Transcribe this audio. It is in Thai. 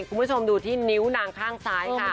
คุณผู้ชมดูที่นิ้วนางข้างซ้ายค่ะ